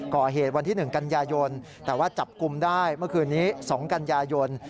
ก่อเหตุวันที่๑กันยายนแต่ว่าจับกลุ่มได้เมื่อคืนนี้๒กันยายน